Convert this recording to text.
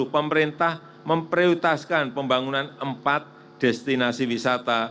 pemerintah memprioritaskan pembangunan empat destinasi wisata